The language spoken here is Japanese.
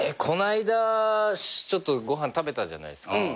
この間ちょっとご飯食べたじゃないっすか。